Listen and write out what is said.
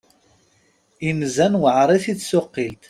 Inzan weɛrit i tsuqilt.